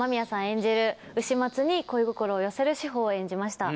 演じる丑松に恋心を寄せる志保を演じました